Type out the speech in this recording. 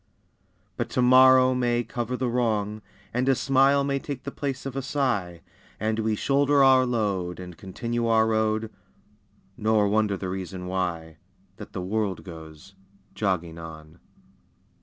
But tomorrow may cover the wrong, And a smile take the place of a sigh, And we shoulder our load And continue our road, Nor wonder the reason why, That the world goes "jogging on."